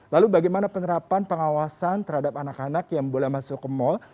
lalu bagaimana penerapan pengawasan terhadap anak anak yang boleh masuk ke mal